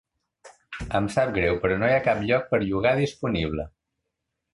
Em sap greu, però no hi ha cap lloc per llogar disponible.